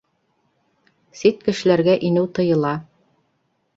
Сит кешеләргә инеү тыйыла